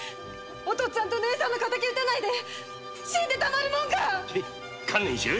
お父っつぁんと姉さんの敵を討たないで死んでたまるか！